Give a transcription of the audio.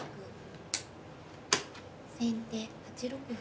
先手８六歩。